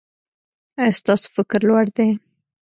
ایا ستاسو فکر لوړ دی؟